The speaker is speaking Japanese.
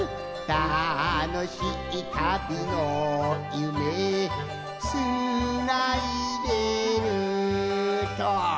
「たのしいたびのゆめつないでる」と。